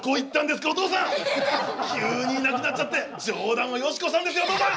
急にいなくなっちゃって冗談はヨシコさんですよお父さん！